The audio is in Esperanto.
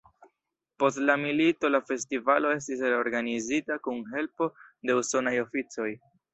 Post la milito la festivalo estis reorganizita kun helpo de usonaj oficoj.